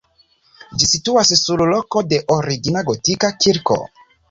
Ĝi situas sur loko de origina gotika kirko.